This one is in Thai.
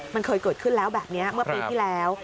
มันเคยเกิดขึ้นแล้วแบบนี้เมื่อปีที่แล้ว